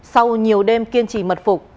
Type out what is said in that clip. sau nhiều đêm kiên trì mật phục